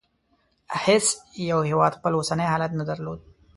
هېڅ یو هېواد خپل اوسنی حالت نه درلود.